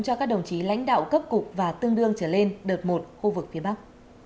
cho các đồng chí lãnh đạo cấp cục và tương đương trở lên đợt một khu vực phía bắc